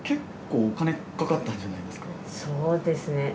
そうですね。